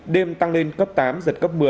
đêm tăng lên cấp tám giật cấp một mươi